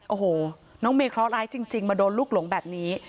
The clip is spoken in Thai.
โอ้โหน้องเมเคราะหร้ายจริงมาโดนลูกหลงแบบนี้